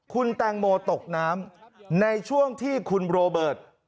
คุณแตงโมตกน้ำในช่วงที่คุณโรเบิร์ต